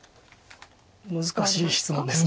難しい質問です。